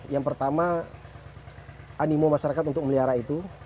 yang pertama animo masyarakat untuk melihara itu